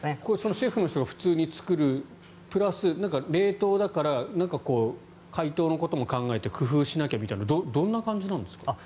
シェフの人が普通に作るプラス冷凍だから解凍のことも考えて工夫しなきゃみたいなどんな感じなんですか？